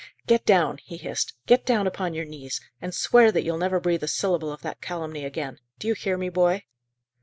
"Get down!" he hissed; "get down upon your knees, and swear that you'll never breathe a syllable of that calumny again! Do you hear me, boy?"